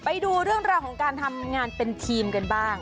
ไปดูเรื่องราวของการทำงานเป็นทีมกันบ้าง